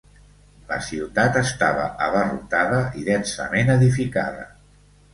La ciutat estava abarrotada i densament edificada.